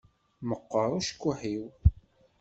Meqqeṛ ucekkuḥ-iw.